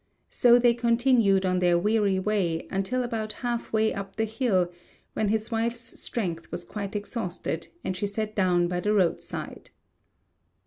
So they continued on their weary way until about half way up the hill, when his wife's strength was quite exhausted, and she sat down by the roadside.